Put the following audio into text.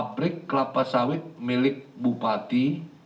pabrik kelapa sawit milik bupati